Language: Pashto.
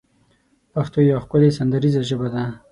پښتو يوه ښکلې سندريزه ژبه ده